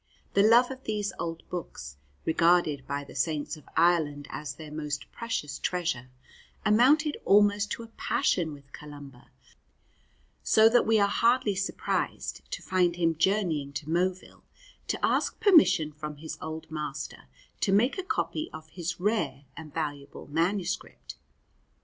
The love of these old books, regarded by the Saints of Ireland as their most precious treasure, amounted almost to a passion with Columba, so that we are hardly surprised to find him journeying to Moville to ask permission from his old master to make a copy of his rare and valuable manuscript.